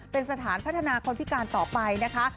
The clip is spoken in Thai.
เป็นสถานพัฒนาคนพิการต่อไปนะคะ